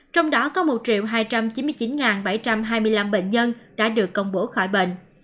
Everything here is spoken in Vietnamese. trong đó có một hai trăm chín mươi chín bảy trăm hai mươi năm bệnh nhân đã được công bố khỏi bệnh